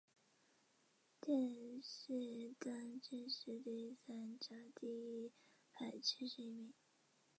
殿试登进士第三甲第一百七十一名。